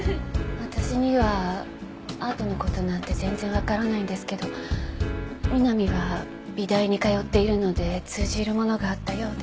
私にはアートの事なんて全然わからないんですけど美波は美大に通っているので通じるものがあったようで。